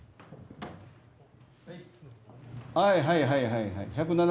はいはいはいはいはい。